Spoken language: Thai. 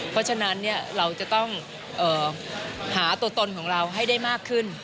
เพราะฉะนั้นเราจะต้องหาตัวตนของเราให้ได้มากขึ้น